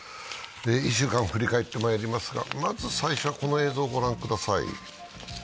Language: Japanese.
１週間を振り返ってまいりますが最初はこの映像を御覧ください。